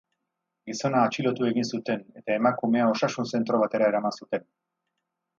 Gizona atxilotu egin zuten, eta emakumea osasun zentro batera eraman zuten.